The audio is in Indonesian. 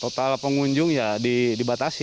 total pengunjung ya dibatasi